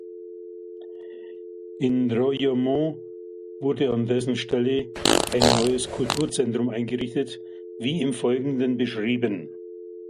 In Royaumont wurde an dessen Stelle ein neues Kulturzentrum eingerichtet, wie im Folgenden beschrieben.